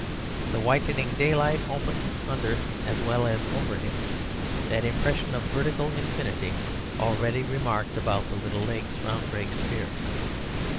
The whitening daylight opened under as well as over him that impression of vertical infinity already remarked about the little lakes round Brakespeare.